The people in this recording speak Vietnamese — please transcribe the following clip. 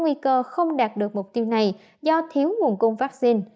ngoài ra who không đạt được mục tiêu này do thiếu nguồn cung vaccine